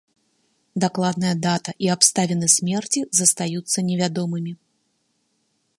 Дакладная дата і абставіны смерці застаюцца невядомымі.